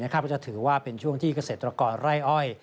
ก็จะถือว่าเป็นช่วงที่เกษตรกรไร่อ้อย